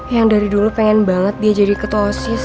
yang dari dulu pengen banget dia jadi ketua osis